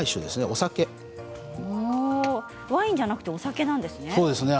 ワインじゃなくてお酒なんですね。